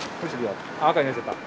赤になっちゃった。